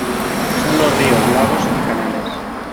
Son los ríos, lagos y canales.